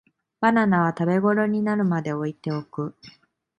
バナナは食べごろになるまで置いておく